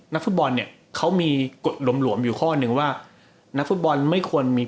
นักฟุตบอลเนี่ยเขามีกฎหลวมหวมอยู่ข้อหนึ่งว่านักฟุตบอลไม่ควรมี